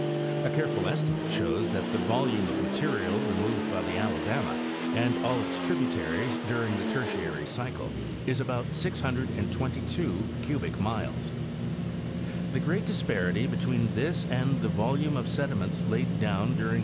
<A careful estimate shows that the volume of material removed by the Alabama and all its tributaries dur ing the Tertiary cycle is about 622 cubic miles. The great dis parity between this and the volume of sediments laid down during.